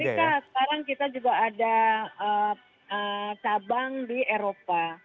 gak cuma di amerika sekarang kita juga ada cabang di eropa